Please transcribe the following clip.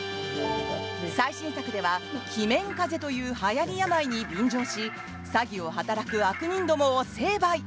最新作では鬼面風邪というはやり病に便乗し詐欺を働く悪人どもを成敗！